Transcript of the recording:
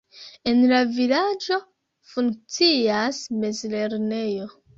En la vilaĝo funkcias mezlernejo.